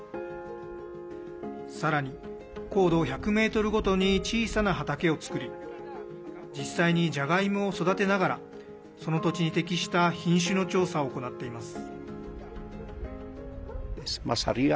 さらに、高度１００ｍごとに小さな畑を作り実際に、じゃがいもを育てながらその土地に適した品種の調査を行っています。